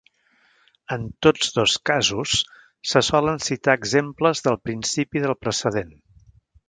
En tots dos casos se solen citar exemples del principi del precedent.